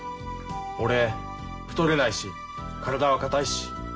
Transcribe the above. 俺太れないし体は硬いし苦しいです。